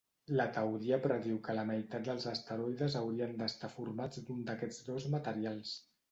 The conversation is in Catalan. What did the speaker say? La teoria prediu que la meitat dels asteroides haurien d'estar formats d'un d'aquests dos materials.